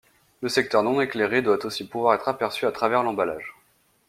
Le secteur non éclairé doit aussi pouvoir être aperçu à travers l'emballage.